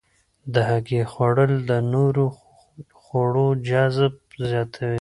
د هګۍ خوړل د نورو خوړو جذب زیاتوي.